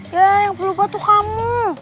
yang perlu bantu kamu